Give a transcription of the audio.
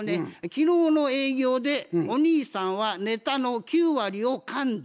昨日の営業でお兄さんはネタの９割をかんだ。